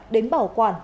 đến bảo quản